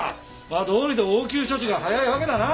どうりで応急処置が早いわけだな。